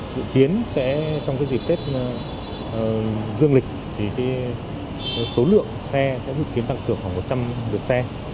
dự kiến sẽ trong dịp tết dương lịch thì số lượng xe sẽ dự kiến tăng cường khoảng một trăm linh lượt xe